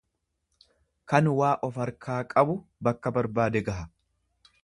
Kan waa of harkaa qabu bakka barbaade gaha.